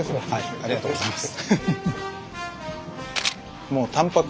ありがとうございます。